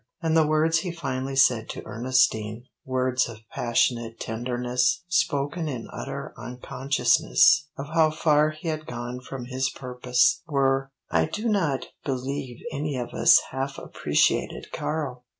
And the words he finally said to Ernestine, words of passionate tenderness spoken in utter unconsciousness of how far he had gone from his purpose, were: "I do not believe any of us half appreciated Karl!"